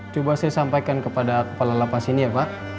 coba saya sampaikan kepada kepala lapas ini ya pak